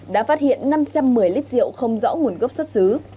đã phát hiện năm trăm một mươi lít rượu không rõ nguồn gốc xuất xứ